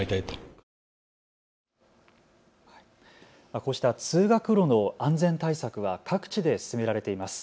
こうした通学路の安全対策は各地で進められています。